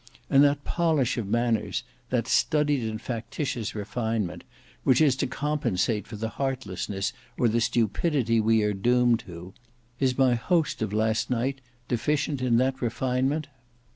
And that polish of manners, that studied and factitious refinement, which is to compensate for the heartlessness or the stupidity we are doomed to—is my host of last night deficient in that refinement?